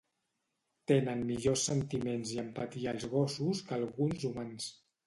Tenen millors sentiments i empatia els gossos que alguns humans